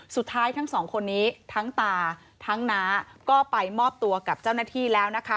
ทั้งสองคนนี้ทั้งตาทั้งน้าก็ไปมอบตัวกับเจ้าหน้าที่แล้วนะคะ